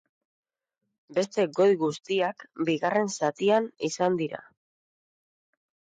Beste gol guztiak bigarren zatian izan dira.